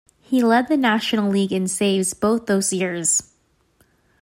He led the National League in saves both those years.